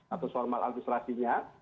atau soal maladislasinya